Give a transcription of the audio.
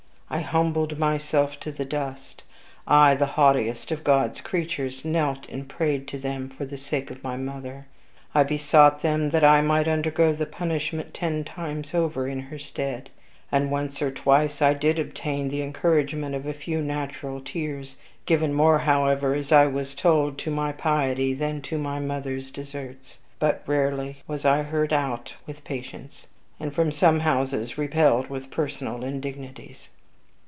I humbled myself to the dust; I, the haughtiest of God's creatures, knelt and prayed to them for the sake of my mother. I besought them that I might undergo the punishment ten times over in her stead. And once or twice I DID obtain the encouragement of a few natural tears given more, however, as I was told, to my piety than to my mother's deserts. But rarely was I heard out with patience; and from some houses repelled with personal indignities.